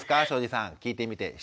小路さん聞いてみて。